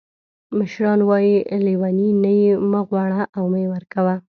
مشران وایي: لیوني نه یې مه غواړه او مه یې ورکوه.